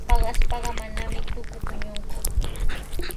Paqaspaqa manami tuku puñunku.